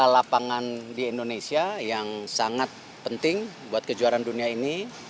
lapangan di indonesia yang sangat penting buat kejuaraan dunia ini